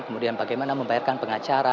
kemudian bagaimana membayarkan pengandalan